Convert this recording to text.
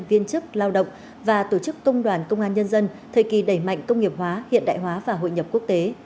viên chức lao động và tổ chức công đoàn công an nhân dân thời kỳ đẩy mạnh công nghiệp hóa hiện đại hóa và hội nhập quốc tế